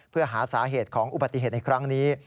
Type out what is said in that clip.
เพื่อหาสาเหตุของอุบัติเหตุในครั้งนี้